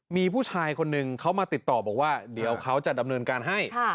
มีผู้ชายคนหนึ่งเขามาติดต่อบอกว่าเดี๋ยวเขาจะดำเนินการให้